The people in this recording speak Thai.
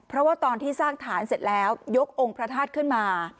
เพราะว่าตอนที่สร้างฐานเสร็จแล้วยกองค์พระธาตุขึ้นมา